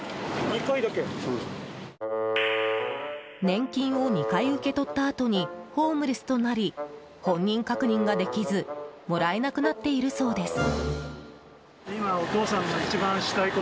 年金を２回受け取ったあとにホームレスとなり本人確認ができずもらえなくなっているそうです。